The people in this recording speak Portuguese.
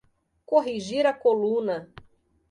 Corrigir a coluna